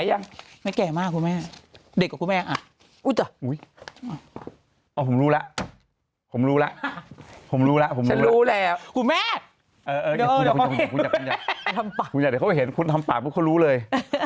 อย่าเดี๋ยวเขาไปเห็นคุณทำปากพวกเขารู้เลย